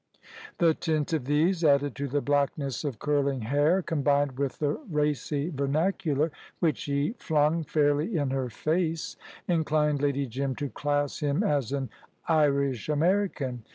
The tint of these, added to the blackness of curling hair, combined with the racy vernacular which he flung fairly in her face, inclined Lady Jim to class him as an Irish American.